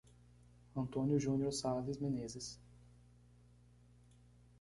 Antônio Junior Sales Menezes